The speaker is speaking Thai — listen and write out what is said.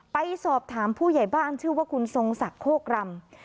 ไปสอบถามผู้ใหญ่บ้านชื่อว่าคุณศงศ่ัรโฆกรม